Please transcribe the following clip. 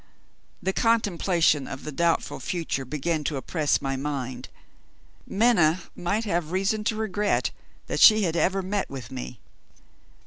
The contemplation of the doubtful future began to oppress my mind. Minna might have reason to regret that she had ever met with me.